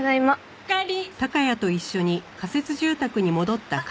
おかえり。